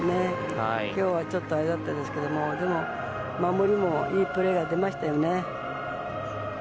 今日はちょっとあれでしたけどでも、守りではいいプレーが出ましたよね。